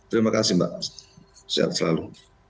terima kasih mbak sehat selalu